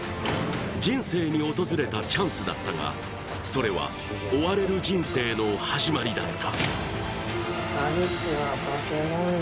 人生に訪れたチャンスだったが、それは追われる人生の始まりだった。